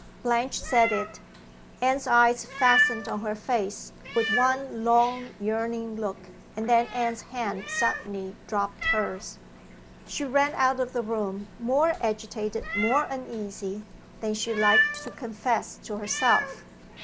Blanche said it. Anne's eyes fastened on her face, with one long, yearning look, and then Anne's hand suddenly dropped hers. She ran out of the room, more agitated, more uneasy, than she liked to confess to herself.